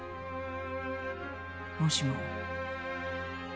もしも。